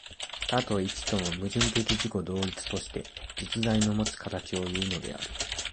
多と一との矛盾的自己同一として、実在のもつ形をいうのである。